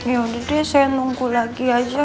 ya udah deh saya nunggu lagi aja